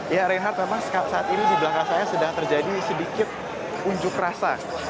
ya reinhardt memang saat ini di belakang saya sedang terjadi sedikit unjuk rasa